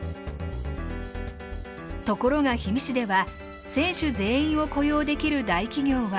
ところが氷見市では選手全員を雇用できる大企業は見込めませんでした。